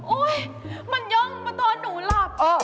มันย่องมาตอนหนูหลับ